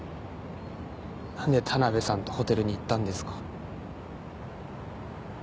何で田辺さんとホテルに行ったんですか？